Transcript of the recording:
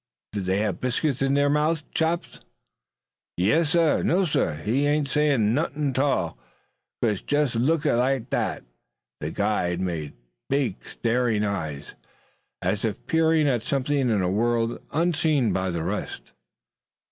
Did they have biscuit in their mouths, Chops?" "Yassir, nassir. He ain't say nuffin' 'tall. He jess look lak dat." The guide made big staring eyes, as if peering at something in a world unseen by the rest.